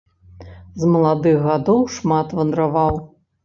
З маладых гадоў шмат вандраваў.